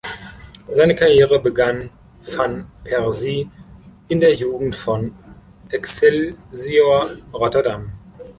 Seine Karriere begann van Persie in der Jugend von Excelsior Rotterdam.